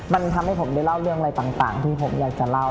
มันทำให้ผมได้เล่าเรื่องอะไรต่างที่ผมอยากจะเล่า